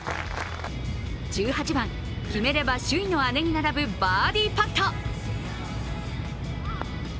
１８番、決めれば首位の姉に並ぶバーディーパット。